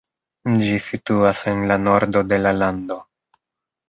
Ĝi situas en la nordo de la lando.